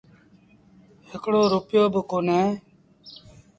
هڪڙو رپيو با ڪونهي